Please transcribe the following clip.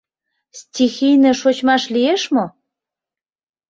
Стихийно шочмаш лиеш мо?